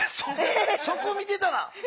そこ見てた？